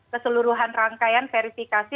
keseluruhan rangkaian verifikasi